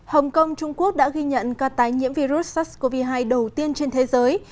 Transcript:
hồng kông trung quốc đã ghi nhận ca tái nhiễm virus sars cov hai đầu tiên trên thế giới